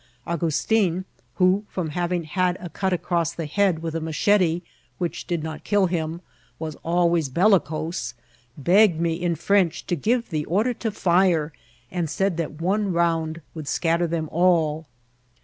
AugustiBi who, from having had a cut across the head with a machete, which did not kill him, was always bellicose, begged me in French to give the order to fire, and said that one round would scatter them all.